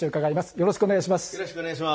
よろしくお願いします。